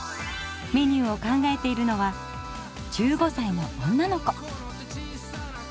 メニューを考えているのは１５歳の女の子。